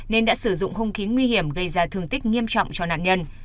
nên đã sử dụng hung khí nguy hiểm gây ra thương tích nghiêm trọng cho nạn nhân